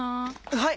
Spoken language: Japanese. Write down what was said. はい！